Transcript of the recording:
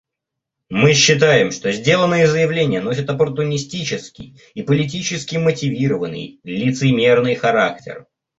Мы считаем, что сделанные заявления носят оппортунистический и политически мотивированный, лицемерный характер.